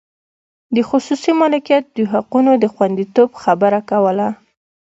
د خصوصي مالکیت د حقونو د خوندیتوب خبره کوله.